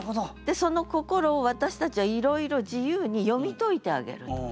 その心を私たちはいろいろ自由に読み解いてあげると。